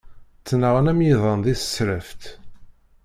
Ttnaɣen am yiḍan di tesraft.